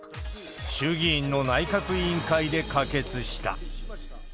衆議院の内閣委員会で可決した。